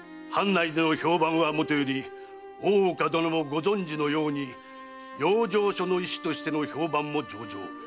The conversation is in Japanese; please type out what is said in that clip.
藩内での評判はもとより大岡殿もご存じのように養生所の医師としての評判も上々。